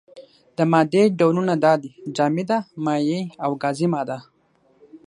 د مادې ډولونه دا دي: جامده، مايع او گازي ماده.